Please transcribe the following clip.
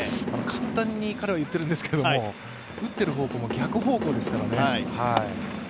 簡単に彼は言ってるんですけど、打ってる方向も逆方向ですからね。